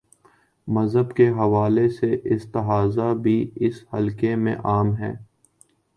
مذہب کے حوالے سے استہزا بھی، اس حلقے میں عام ہے۔